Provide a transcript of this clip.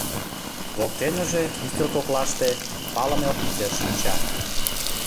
Воктеныже, ӱстел коклаште, «палыме» офицер шинча.